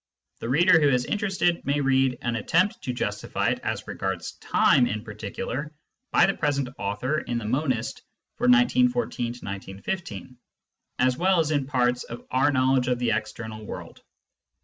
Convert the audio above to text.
The reader who is interested may read an attempt to justify it as regards time in particular by the present author in the Monist for 1914 5, as well as in parts of Our Knowledge of the External World.